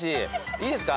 いいですか？